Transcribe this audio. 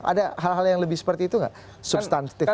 ada hal hal yang lebih seperti itu nggak substantif